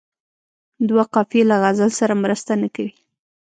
دوه قافیې له غزل سره مرسته نه کوي.